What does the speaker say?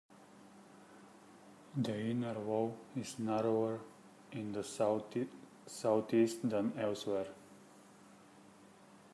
The inner wall is narrower in the southeast than elsewhere.